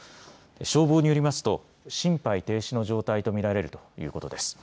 消防によりますと心肺停止の状態と見られるということです。